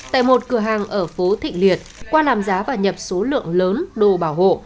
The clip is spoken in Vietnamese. tại một cửa hàng ở phố thị liệt qua làm giá và nhập số lượng lớn đồ bảo hộ